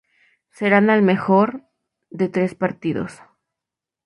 Serán al mejor de tres partidos.